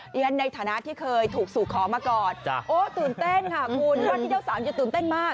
ฉันในฐานะที่เคยถูกสู่ขอมาก่อนโอ้ตื่นเต้นค่ะคุณว่าที่เจ้าสาวจะตื่นเต้นมาก